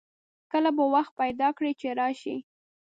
کله به وخت پیدا کړي چې راشئ